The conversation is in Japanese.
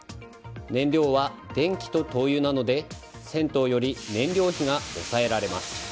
燃料は電気と灯油なので銭湯より燃料費が抑えられます。